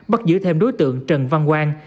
bắt giữ thêm đối tượng trần văn quang